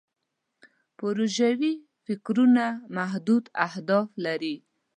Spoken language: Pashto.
پروژوي فکرونه محدود اهداف لري.